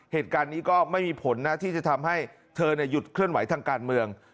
เหตุการณ์นี้ก็ไม่มีผลนะที่จะทำให้เธอหยุดเคลื่อนไหวทางการเมือง